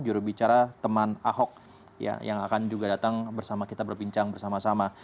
jurubicara teman ahok yang akan juga datang bersama kita berbincang bersama sama